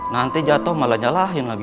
nanti jatuh malah nyalahin lagi